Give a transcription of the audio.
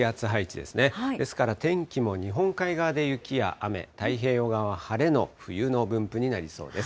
ですから天気も日本海側で雪や雨、太平洋側は晴れの、冬の分布になりそうです。